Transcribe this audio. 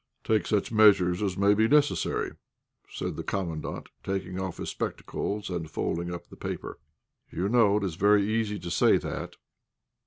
"Take such measures as may be necessary," said the Commandant, taking off his spectacles and folding up the paper. "You know it is very easy to say that.